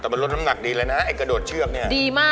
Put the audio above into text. แต่มันลดน้ำหนักดีเลยนะไอ้กระโดดเชือกเนี่ยดีมาก